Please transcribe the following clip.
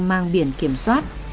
mang biển kiểm soát